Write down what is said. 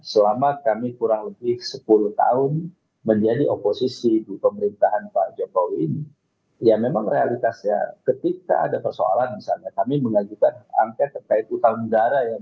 selama kami kurang lebih sepuluh tahun menjadi oposisi di pemerintahan pak jokowi ini ya memang realitasnya ketika ada persoalan misalnya kami mengajukan angket terkait utang negara ya